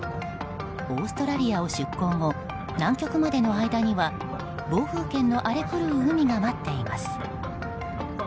オーストラリアを出航後南極までの間には暴風圏の荒れ狂う海が待っています。